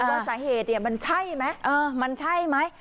ว่าสาเหตุเนี่ยมันใช่ไหมมันใช่ไหม